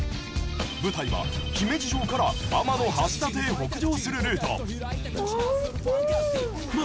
舞台は姫路城から天橋立へ北上するルート。